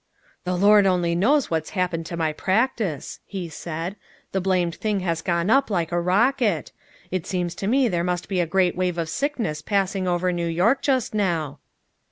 "The Lord only knows what's happened to my practice," he said. "The blamed thing has gone up like a rocket. It seems to me there must be a great wave of sickness passing over New York just now."